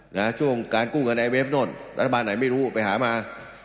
ในช่วงการกู้เงินไอเวฟโน่นรัฐบาลไหนไม่รู้ไปหามา